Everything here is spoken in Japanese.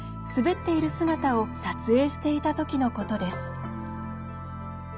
滑っている姿を撮影していたときのことです。